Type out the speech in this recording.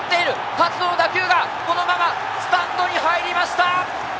勝野の打球がそのままスタンドに入りました！